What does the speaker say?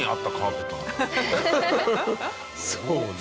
そうね。